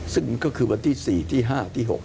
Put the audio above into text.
ซึ่งก็คือวันที่๔ที่๕ที่๖